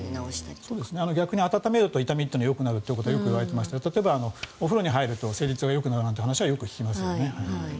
逆に温めると痛みというのはよくなるといわれていまして例えばお風呂に入ると生理痛がよくなるという話はよく聞きますよね。